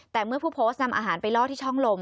แต่เมื่อผู้โพสต์นำอาหารไปล่อที่ช่องลม